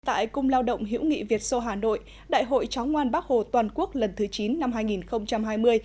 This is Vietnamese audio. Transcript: tại cung lao động hiểu nghị việt sô hà nội đại hội chóng ngoan bắc hồ toàn quốc lần thứ chín năm hai nghìn hai mươi